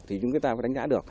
thì chúng ta có đánh giá được